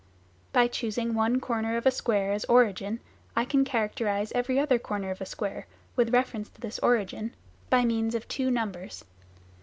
By choosing one corner of a square as " origin" I can characterise every other corner of a square with reference to this origin by means of two numbers.